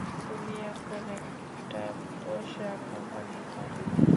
তুমি এখন একটা পোষাক কোম্পানির মালিক।